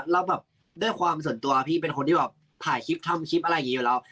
แล้วแบบด้วยความส่วนตัวพี่เป็นคนที่แบบถ่ายคลิปทำคลิปอะไรอย่างนี้อยู่แล้ว